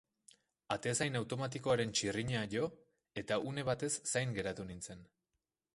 Atezain automatikoaren txirrina jo, eta une batez zain geratu nintzen.